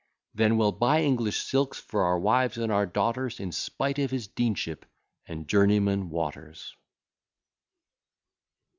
Then we'll buy English silks for our wives and our daughters, In spite of his deanship and journeyman Waters.